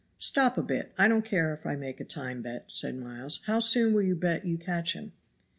"Stop a bit. I don't care if I make a time bet," said Miles. "How soon will you bet you catch him?"